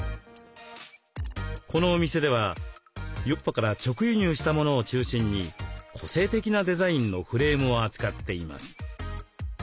このお店ではヨーロッパから直輸入したものを中心に個性的なデザインのフレームを扱っています。